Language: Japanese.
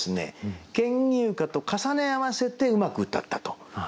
「牽牛花」と重ね合わせてうまくうたったと。